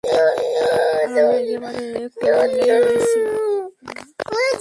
আমরা একেবারে খোলামেলায় রয়েছি।